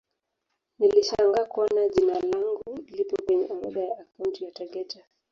Nilishangaa kuona jina langu lipo kwenye orodha ya akaunti ya Tegeta